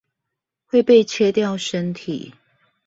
會被切掉身體